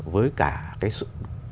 với cả cái sự